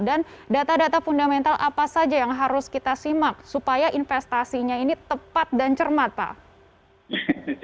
dan data data fundamental apa saja yang harus kita simak supaya investasinya ini tepat dan cermat pak